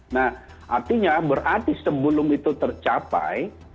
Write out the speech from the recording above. nah artinya berarti sebelum itu tercapai